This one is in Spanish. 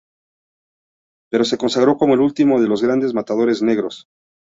Pero se consagró como el último de los grandes matadores negros.